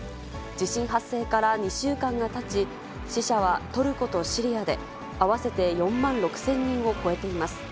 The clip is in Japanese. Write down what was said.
地震発生から２週間がたち、死者はトルコとシリアで合わせて４万６０００人を超えています。